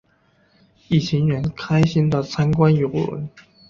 一行人开心的参观邮轮。